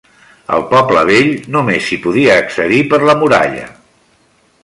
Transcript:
Al poble vell només s'hi podia accedir per la muralla.